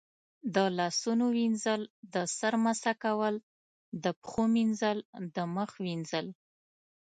د لاسونو وینځل، د سر مسح کول، د پښو مینځل، د مخ وینځل